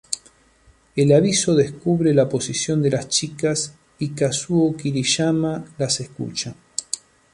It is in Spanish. El aviso descubre la posición de las chicas y Kazuo Kiriyama las escucha.